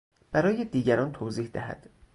برای دیگران توضیح دهد